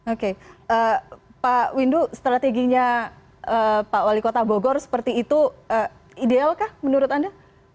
oke pak windu strateginya pak wali kota bogor seperti itu idealkah menurut anda